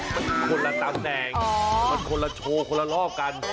มันคนละตำแหน่งมันคนละโชว์คนละรอบกัน